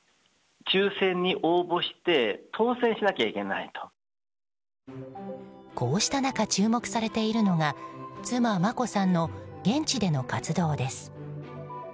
抽選に応募してこんな中、注目されているのが妻・眞子さんの現地での活動です。